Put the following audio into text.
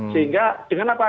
sehingga dengan apa